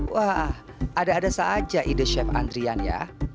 wah ada ada saja ide chef andrian ya